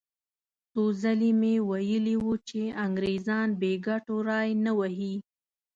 څو ځلې یې ویلي وو چې انګریزان بې ګټو ری نه وهي.